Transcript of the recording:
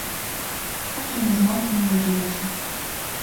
Так яна змалку налажылася.